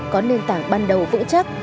có nền tảng ban đầu vững chắc